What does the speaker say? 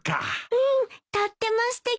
うんとってもすてき。